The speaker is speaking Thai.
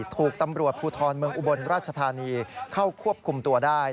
ถูกตำรวจภูทรเมืองอุบลราชธานีเข้าควบคุมตัวได้